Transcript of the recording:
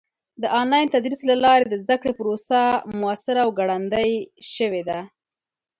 د آنلاین تدریس له لارې د زده کړې پروسه موثره او ګړندۍ شوې ده.